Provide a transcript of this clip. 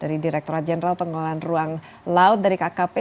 dari direkturat jenderal pengelolaan ruang laut dari kkp